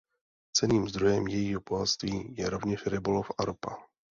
Cenným zdrojem jejího bohatství je rovněž rybolov a ropa.